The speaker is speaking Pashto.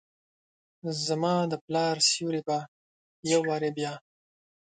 زما دپلا ر سیوري به یووارې بیا،